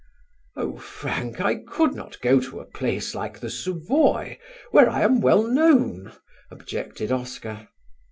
"Oh, Frank, I could not go to a place like the Savoy where I am well known," objected Oscar.